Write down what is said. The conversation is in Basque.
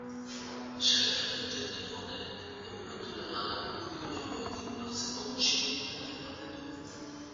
Sailkapen tekniko honek dokumentu legalak bideo-jokoekin lotzeko posibilitatea ematen du.